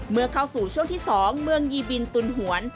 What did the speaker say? เมื่อเข้าสู่ช่วงที่๒เมืองยีบินตุลหวน